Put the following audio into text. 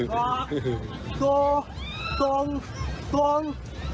ต่อตัวตรงตรง